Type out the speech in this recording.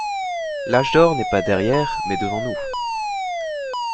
L'âge d'or n'est pas derrière, mais devant nous.